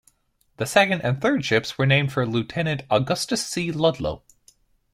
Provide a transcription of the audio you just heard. The second and third ships were named for Lieutenant Augustus C. Ludlow.